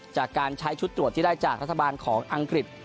จากการใช้ชุดตรวจที่ได้จากรัฐบาลของอังกฤษ